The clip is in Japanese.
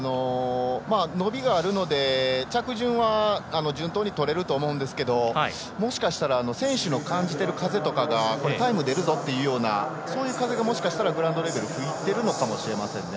伸びがあるので、着順は順当にとれると思うんですけどもしかしたら選手の感じている風とかがタイムが出るぞというような風がもしかしたらグラウンドレベルで吹いているのかもしれませんね。